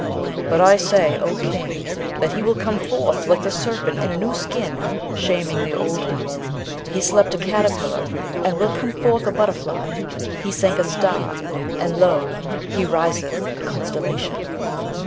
But I say, O King, that he will come forth like the serpent in a new skin, shaming the old one; he slept a caterpillar, and will come forth a butterfly; he sank a star, and lo! he riseth a constellation.'